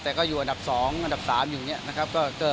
แต่ก็อยู่อันดับสองอันดับสามอยู่เนี่ยนะครับก็ก็